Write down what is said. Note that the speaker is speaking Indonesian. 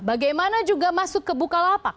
bagaimana juga masuk ke bukalapak